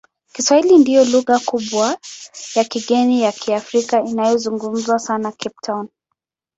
Kiswahili ndiyo lugha kubwa ya kigeni ya Kiafrika inayozungumzwa sana Cape Town.